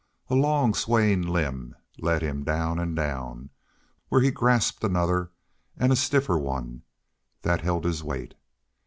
A long, swaying limb let him down and down, where he grasped another and a stiffer one that held his weight.